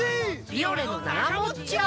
「ビオレ」のながもっち泡！